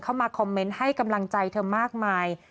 เข้ามาคอมเมนต์ให้กำลังใจเธอมากมาย